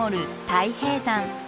太平山。